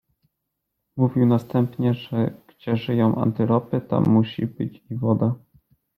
Mówił następnie, że, gdzie żyją antylopy, tam musi być i woda.